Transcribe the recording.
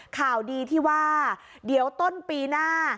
ข่าวดีที่ว่าเดี๋ยวต้นปีหน้า